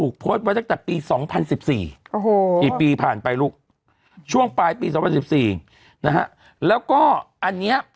ก็คือจากปี๒๐๑๔นะฮะแล้วก็อันเนี้ย